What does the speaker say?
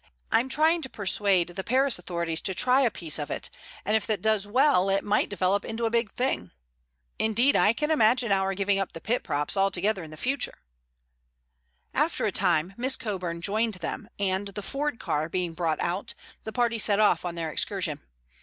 I'm trying to persuade the Paris authorities to try a piece of it, and if that does well it might develop into a big thing. Indeed, I can imagine our giving up the pit props altogether in the future." After a time Miss Coburn joined them, and, the Ford car being brought out, the party set off on their excursion.